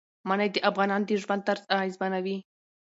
منی د افغانانو د ژوند طرز اغېزمنوي.